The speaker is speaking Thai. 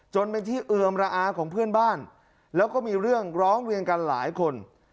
จนเป็นที่เอือมระอาของเพื่อนบ้านแล้วก็มีเรื่องร้องเรียนกันหลายคน